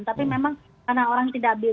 tapi memang karena orang tidak bebas